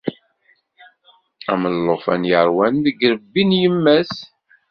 Am llufan yeṛwan deg yirebbi n yemma-s.